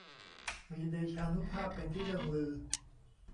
มีเดชานุภาพเป็นที่เลื่องลือ